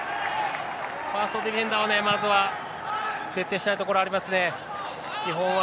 ファーストディフェンダーをね、まずは徹底したいところありますね。